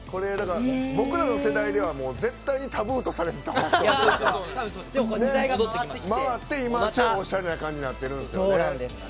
僕らの世代では絶対にタブーとされていたファッションというか回って、今超おしゃれな感じになってきてるんですよね。